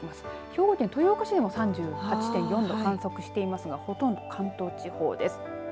兵庫県豊岡市でも３８．４度、観測していますがほとんど関東地方です。